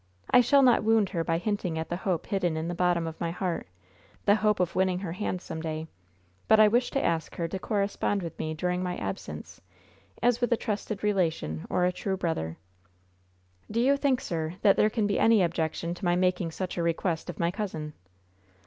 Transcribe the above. I shall not wound her by hinting at the hope hidden in the bottom of my heart the hope of winning her hand some day; but I wish to ask her to correspond with me during my absence, as with a trusted relation or a true brother. Do you think, sir, that there can be any objection to my making such a request of my cousin?"